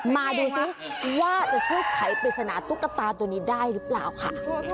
มาดูซิว่าจะช่วยไขปริศนาตุ๊กตาตัวนี้ได้หรือเปล่าค่ะ